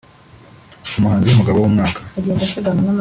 Umuhanzi w'umugabo w'umwaka